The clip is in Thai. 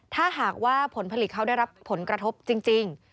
ถ้าหากว่าผลผลิตเขาได้รับผลกระทบจริง